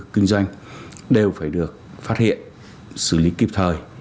kinh doanh đều phải được phát hiện xử lý kịp thời